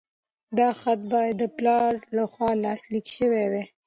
دا خط باید د پلار لخوا لاسلیک شوی وای.